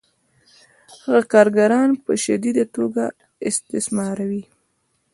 هغه کارګران په شدیده توګه استثماروي